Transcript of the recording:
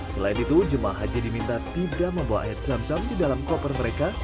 selain itu jemaah haji diminta tidak membawa air zam zam di dalam koper mereka